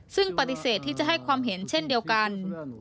ซึ่งปฏิเสธที่จะให้ความเห็นเช่นเดียวกัน